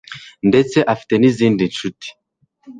ndetse afite n'izindi nshuti